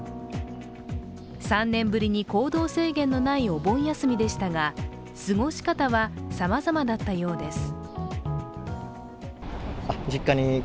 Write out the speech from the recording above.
３年ぶりに行動制限のないお盆休みでしたが、過ごし方は、さまざまだったようです。